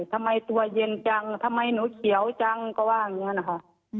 ทำไมตัวเย็นจังทำไมหนูเขียวจังก็ว่าอย่างนี้นะคะ